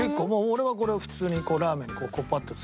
俺はこれを普通にラーメンにパッとつけて。